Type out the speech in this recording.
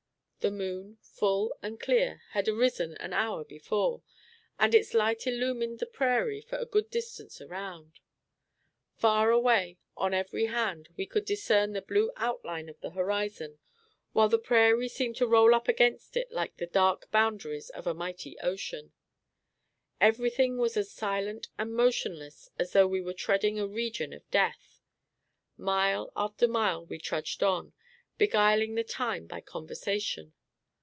The moon, full and clear, had arisen an hour before, and its light illumined the prairie for a great distance around. Far away, on every hand, we could discern the blue outline of the horizon, while the prairie seemed to roll up against it like the dark boundaries of a mighty ocean. Everything was as silent and motionless as though we were treading a region of death. Mile after mile, we trudged on, beguiling the time by conversation.